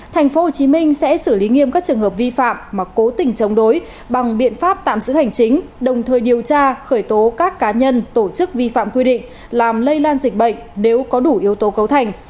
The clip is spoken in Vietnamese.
tp hcm sẽ xử lý nghiêm các trường hợp vi phạm mà cố tình chống đối bằng biện pháp tạm giữ hành chính đồng thời điều tra khởi tố các cá nhân tổ chức vi phạm quy định làm lây lan dịch bệnh nếu có đủ yếu tố cấu thành